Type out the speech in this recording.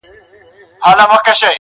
هم یې زامه هم یې پزه ماتومه.!